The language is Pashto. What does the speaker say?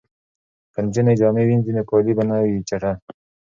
که نجونې جامې وینځي نو کالي به نه وي چټل.